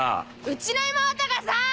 うちの妹がさぁ！